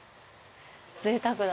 ぜいたくだ。